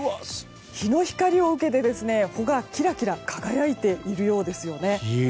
日の光を受けて穂がキラキラと輝いているようですよね。